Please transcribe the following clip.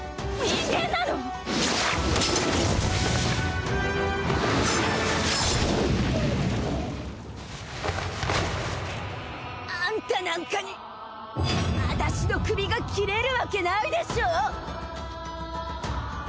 人間なの！？あんたなんかにあたしの首が斬れるわけないでしょ！